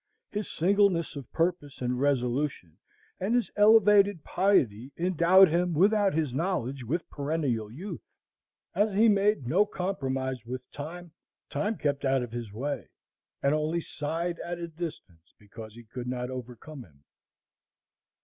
His singleness of purpose and resolution, and his elevated piety, endowed him, without his knowledge, with perennial youth. As he made no compromise with Time, Time kept out of his way, and only sighed at a distance because he could not overcome him.